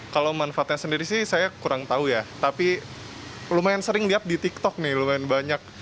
kalau manfaatnya sendiri sih saya kurang tahu ya tapi lumayan sering lihat di tiktok nih lumayan banyak